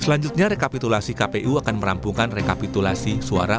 selanjutnya rekapitulasi kpu akan merampungkan rekapitulasi suara